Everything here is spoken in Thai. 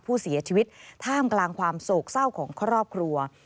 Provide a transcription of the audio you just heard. ผู้เสียชีวิตท่ามกลางความโศกเศร้าของครอบครัว